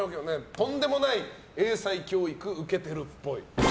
とんでもない英才教育受けてるっぽい。